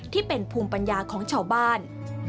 ที่เป็นภูมิปัญญาของชาวบ้าน